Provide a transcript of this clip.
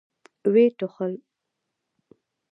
ويې ټوخل.